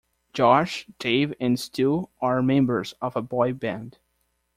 Josh, Dave and Stu are members of a boy band.